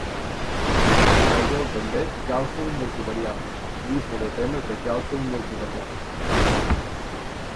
"Vegeu també càlcul multivariable, llista de temes de càlcul multivariable".